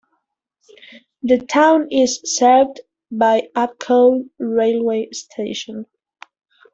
The town is served by Abcoude railway station.